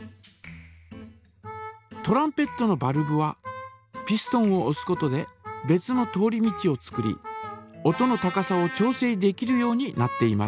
トランペットのバルブはピストンをおすことで別の通り道を作り音の高さを調整できるようになっています。